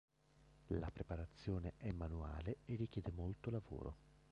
La preparazione è manuale e richiede molto lavoro.